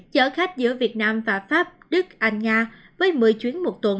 chở khách giữa việt nam và pháp đức anh nga với một mươi chuyến một tuần